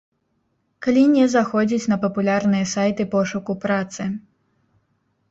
Калі не заходзіць на папулярныя сайты пошуку працы.